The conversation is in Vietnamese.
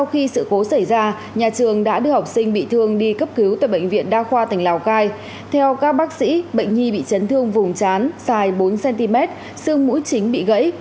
một mươi học sinh bị thương đi cấp cứu tại bệnh viện đa khoa tỉnh lào cai theo các bác sĩ bệnh nhi bị chấn thương vùng chán dài bốn cm xương mũi chính bị gãy